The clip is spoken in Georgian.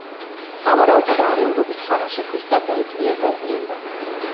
სავარაუდოდ არეულობის ხანაში ქვის ტაძარი ძლიერ დაზიანდა.